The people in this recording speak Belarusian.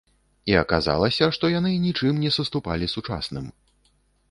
І аказалася, што яны нічым не саступалі сучасным.